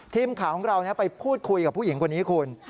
ทีมข่าวของเราไปพูดคุยกับผู้หญิงคนนี้คุณ